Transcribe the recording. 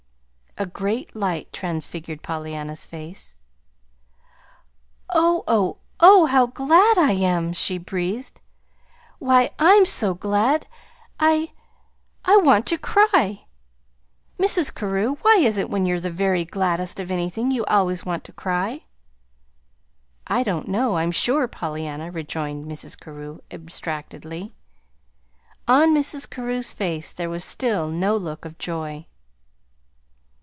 A great light transfigured Pollyanna's face. "Oh, oh, oh, how glad I am!" she breathed. "Why, I'm so glad I I want to cry! Mrs. Carew, why is it, when you're the very gladdest of anything, you always want to cry?" "I don't know, I'm sure, Pollyanna," rejoined Mrs. Carew, abstractedly. On Mrs. Carew's face there was still no look of joy.